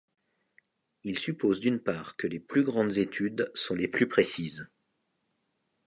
Il suppose d'une part que les plus grandes études sont les plus précises.